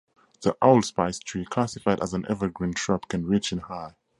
The allspice tree, classified as an evergreen shrub, can reach in height.